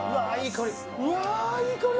うわー、いい香り。